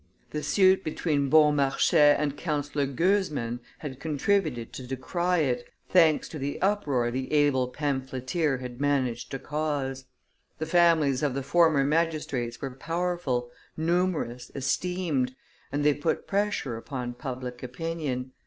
The suit between Beaumarchais and Councillor Goezman had contributed to decry it, thanks to the uproar the able pamphleteer had managed to cause; the families of the former magistrates were powerful, numerous, esteemed, and they put pressure upon public opinion; M.